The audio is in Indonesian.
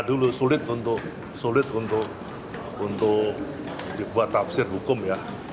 untuk dibuat tafsir hukum ya